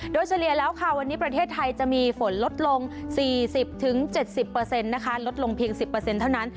โดยเฉลี่ยแล้วค่ะวันนี้ประเทศไทยจะมีฝนลดลง๔๐๗๐นะคะลดลงเพียง๑๐เท่านั้น